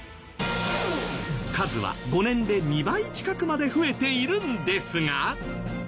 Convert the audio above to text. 数は５年で２倍近くまで増えているんですが。